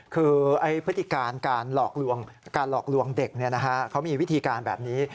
คือพฤติการการหลอกลวงเด็กเขามีวิธีการแบบนี้